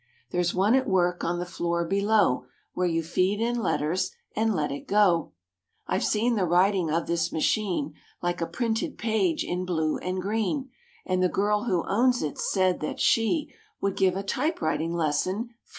There's one at work on the floor below, Where you feed in letters and let it go. I've seen the writing of this machine, Like a printed page in blue and green; And the girl who owns it said that she Would give a typewriting lesson free."